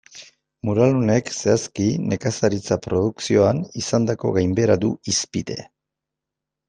Mural honek, zehazki, nekazaritza produkzioan izandako gainbehera du hizpide.